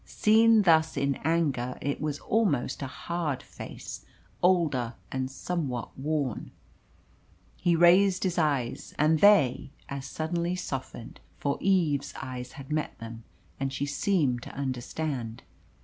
Seen thus in anger, it was almost a hard face, older and somewhat worn. He raised his eyes, and they as suddenly softened, for Eve's eyes had met them, and she seemed to understand.